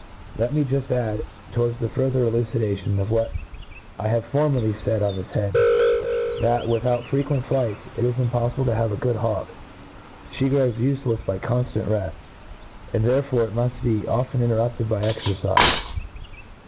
Let tnc juft add, towards the further elucidation of what I have formerly faid on this head, that, without frequent flights. It i$ impofSble to have a good hawk. She grows ufclefs by conftant reft ; ai^d therefore it muft be often ' interrupted by exfercife.